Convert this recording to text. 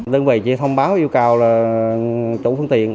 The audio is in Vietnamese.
đơn vị chỉ thông báo yêu cầu là chủ phương tiện